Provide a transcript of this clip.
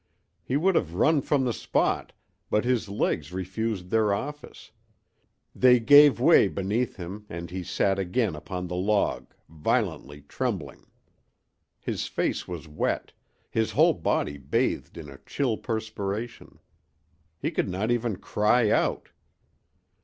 He would have run from the spot, but his legs refused their office; they gave way beneath him and he sat again upon the log, violently trembling. His face was wet, his whole body bathed in a chill perspiration. He could not even cry out.